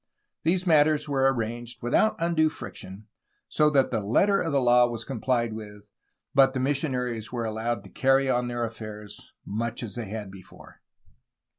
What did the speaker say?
These matters were arranged without undue friction, so that the letter of the law was comphed with, but the missionaries were allowed to carry on their affairs much as they had before.